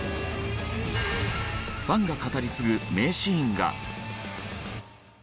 ファンが語り継ぐ名シーンが。